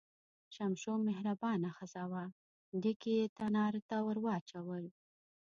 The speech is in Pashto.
شمشو مهربانه ښځه وه، ډکي یې تنار ته ور واچول.